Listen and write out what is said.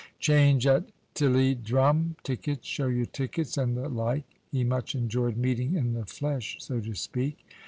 "Change at Tilliedrum!" "Tickets! show your tickets!" and the like, he much enjoyed meeting in the flesh, so to speak.